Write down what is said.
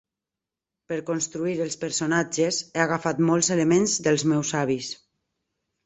Per construir els personatges he agafat molts elements dels meus avis.